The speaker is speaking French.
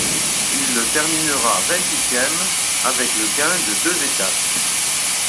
Il le terminera vingt-huitième avec le gain de deux étapes.